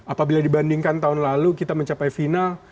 apabila dibandingkan tahun lalu kita mencapai final